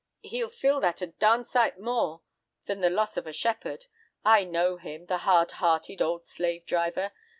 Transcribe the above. He'll feel that a d—d sight more than the loss of a shepherd. I know him, the hard hearted old slave driver!"